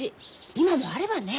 今もあればね！